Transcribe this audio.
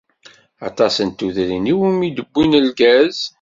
Aṭas n tudrin iwumi d-wwin lgaz.